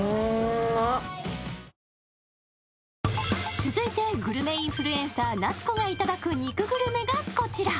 続いてグルメインフルエンサー・夏子がいただく肉グルメがこちら。